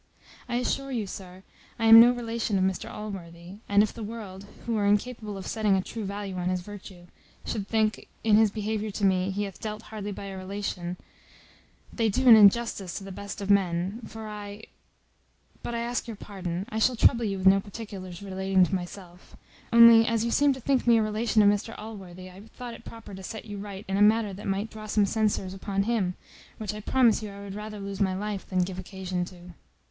I assure you, sir, I am no relation of Mr Allworthy; and if the world, who are incapable of setting a true value on his virtue, should think, in his behaviour to me, he hath dealt hardly by a relation, they do an injustice to the best of men: for I but I ask your pardon, I shall trouble you with no particulars relating to myself; only as you seemed to think me a relation of Mr Allworthy, I thought proper to set you right in a matter that might draw some censures upon him, which I promise you I would rather lose my life than give occasion to."